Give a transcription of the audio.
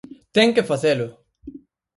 ¡Ten que facelo!